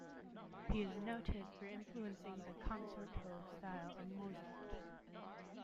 He is noted for influencing the concerto style of Mozart.